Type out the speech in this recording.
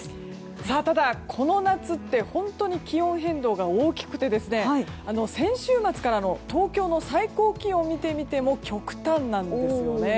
ただ、この夏って本当に気温変動が大きくて先週末からの東京の最高気温を見てみても極端なんです。